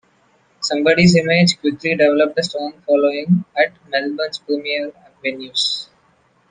Somebody's Image quickly developed a strong following at Melbourne's premier venues.